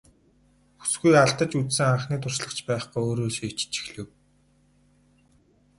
Бүсгүй алдаж үзсэн анхны туршлага ч байхгүй өөрөөсөө ичиж эхлэв.